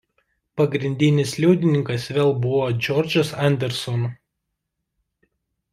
Pagrindinis liudininkas vėl buvo "George Anderson".